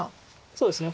そうですね